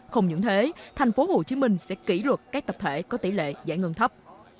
không những thế tp hcm sẽ kỷ luật các tập thể có tỷ lệ giải ngân thấp